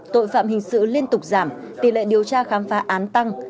tội phạm hình sự liên tục giảm tỷ lệ điều tra khám phá án tăng